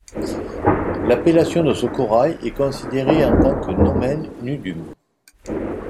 L’appellation de ce corail est considérée en tant que nomen nudum.